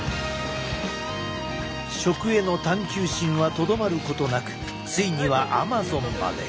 食への探究心はとどまることなくついにはアマゾンまで。